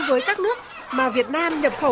với các nước mà việt nam nhập khẩu